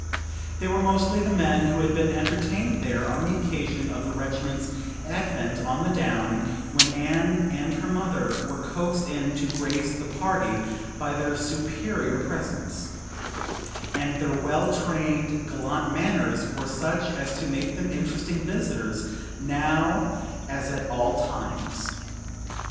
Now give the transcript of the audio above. They were mostly the men who had been entertained there on the occasion of the regiment's advent on the down, when Anne and her mother were coaxed in to grace the party by their superior presence; and their well trained, gallant manners were such as to make them interesting visitors now as at all times.